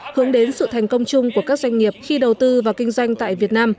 hướng đến sự thành công chung của các doanh nghiệp khi đầu tư và kinh doanh tại việt nam